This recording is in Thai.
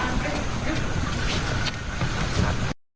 ซึ่งแต่ละคนตอนนี้ก็ยังให้การแตกต่างกันอยู่เลยว่าวันนั้นมันเกิดอะไรขึ้นบ้างนะครับ